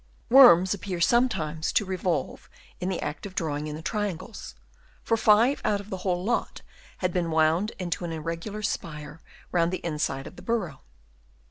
Worms appear sometimes to revolve in the act of drawing in the triangles, for five out of the whole lot had been wound into an irregular spire round the inside of the burrow.